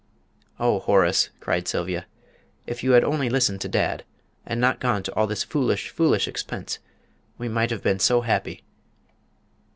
"Oh, Horace," cried Sylvia; "if you had only listened to dad, and not gone to all this foolish, foolish expense, we might have been so happy!"